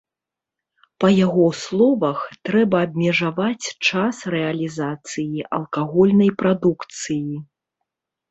Па яго словах, трэба абмежаваць час рэалізацыі алкагольнай прадукцыі.